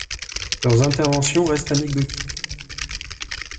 Leurs interventions restent anecdotiques.